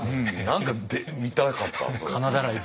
何か見たかったそれ。